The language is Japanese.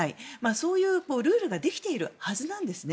そういうルールができているはずなんですね。